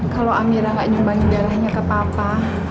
kalau amira nggak nyumbang darahnya ke papa